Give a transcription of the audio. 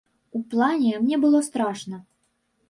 У плане, мне было страшна.